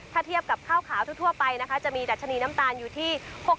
ถ้าเทียบกับข้าวขาวทั่วไปนะคะจะมีดัชนีน้ำตาลอยู่ที่